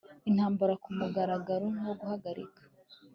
intambara ku mugaragaro no guhagarika